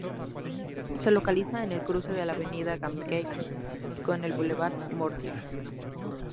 Se localiza en el cruce de la avenida Gambetta con el Bulevar Mortier.